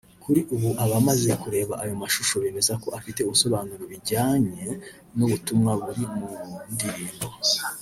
Kuri ubu abamaze kureba ayo mashusho bemeza ko afite ubusobanuro bijyanye n’ubutumwa buri mu ndirimbo